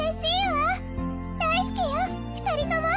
大好きよ２人とも！